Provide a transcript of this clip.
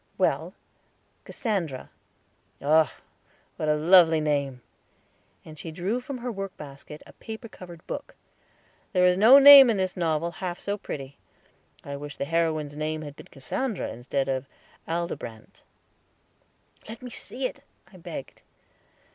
"Well, Cassandra." "Oh, what a lovely name," and she drew from her workbasket a paper covered book; "there is no name in this novel half so pretty; I wish the heroine's name had been Cassandra instead of Aldebrante." "Let me see it," I begged.